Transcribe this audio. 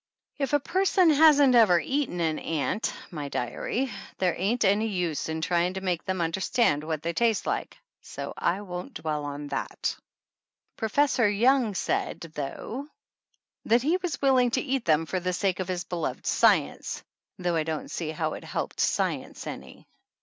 If a person hasn't ever eaten an ant, my diary, there ain't any use in trying to make them understand what they taste like, so I won't dwell on that. Professor Young said though he was willing to eat them for the sake of his be loved science, though I don't see how it helped science any.